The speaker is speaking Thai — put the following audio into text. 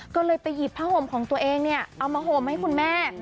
ก็เลยไปหยิบพระโฮมของตัวเองเอามาแฮมให้คุณแม่